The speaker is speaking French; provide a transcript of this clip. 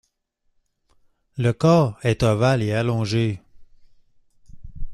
Le corps est ovale et allongé.